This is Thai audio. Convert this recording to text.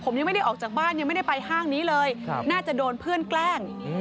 ผมยังไม่ได้ออกจากบ้านยังไม่ได้ไปห้างนี้เลยน่าจะโดนเพื่อนแกล้ง